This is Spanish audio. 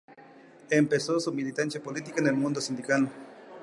Empezó su militancia política en el mundo sindical.